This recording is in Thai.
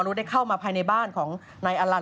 ได้เข้ามาภายในบ้านของนายอลัน